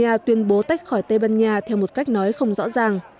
quyết định tuyên bố tách khỏi tây ban nha theo một cách nói không rõ ràng